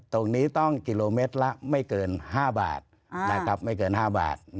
ตรงนี้ต้องกิโลเมตรละไม่เกิน๕บาท